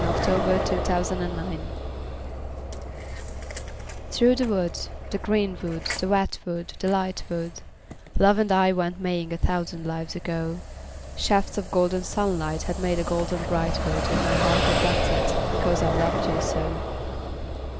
ROSEMARY 51 THROUGH THE WOOD THKOUGH the wood, the green wood, the wet wood, the light wood, Love and I went maying a thousand lives ago ; Shafts of golden sunlight had made a golden bright wood In my heart reflected, because I loved you so.